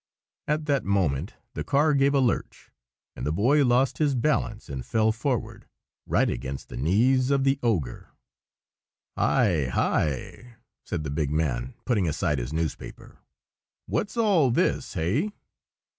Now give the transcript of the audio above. At that moment the car gave a lurch, and the Boy lost his balance and fell forward,—right against the knees of the ogre. "Hi! hi!" said the big man, putting aside his newspaper, "what's all this? Hey?"